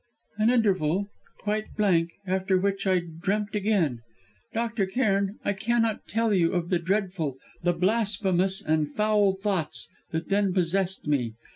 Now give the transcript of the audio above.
"An interval quite blank after which I dreamt again. Dr. Cairn, I cannot tell you of the dreadful, the blasphemous and foul thoughts, that then possessed me!